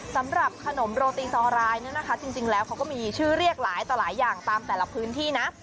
สำหรับขนมโรตีซอรายเนี่ยนะคะจริงแล้วเขาก็มีชื่อเรียกหลายต่อหลายอย่างตามแต่ละพื้นที่นะ